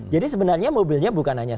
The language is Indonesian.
jadi sebenarnya mobilnya bukan hanya sepuluh